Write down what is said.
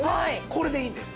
これでいいんです。